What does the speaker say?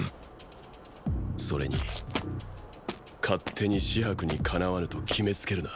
それに勝手に紫伯にかなわぬと決めつけるな。